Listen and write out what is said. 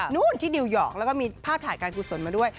นู่นที่นิวยอร์กแล้วก็มีภาพถ่ายการกุศลมาด้วย